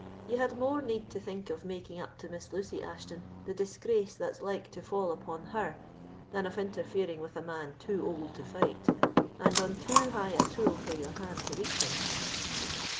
You had more need to think of making up to Miss Lucy Ashton the disgrace that's like to fall upon her than of interfering with a man too old to fight, and on too high a tool for your hand to reach him."